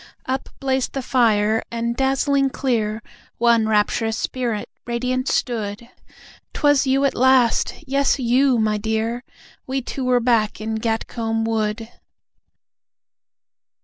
Up blazed the fire, and, dazzling clear, One rapturous Spirit radiant stood. 'Twas you at last! Yes, YOU, my dear. We two were back in Gatcombe Wood!